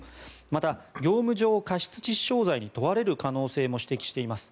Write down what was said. また、業務上過失致死傷罪に問われる可能性も指摘しています。